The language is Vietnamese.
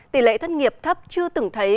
tỷ lệ thất nghiệp thấp chưa từng thấy